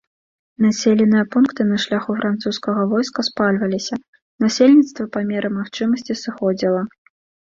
Населеныя пункты на шляху французскага войска спальваліся, насельніцтва па меры магчымасці сыходзіла.